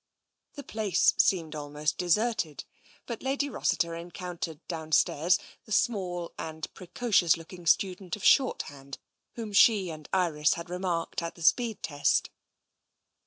The place seemed almost deserted, but Lady Rossiter encountered downstairs the small and precocious look ing student of shorthand whom she and Iris had re marked at the speed test.